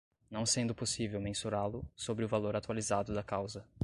não sendo possível mensurá-lo, sobre o valor atualizado da causa